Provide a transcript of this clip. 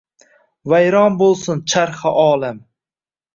Vayron bo’lsin charxi olam!